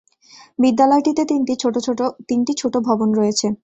বিদ্যালয়টিতে তিনটি ছোট ভবন রয়েছে।